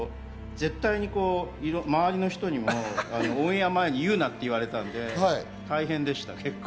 絶対に周りの人にもオンエア前に言うなって言われてたので大変でした。